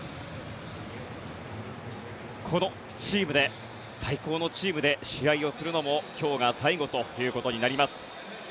このチームで、最高のチームで試合をするのも今日が最後ということになります。